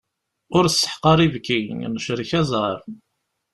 Ur sseḥqar ibki, necrek aẓar.